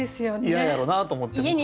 嫌やろなと思って僕も。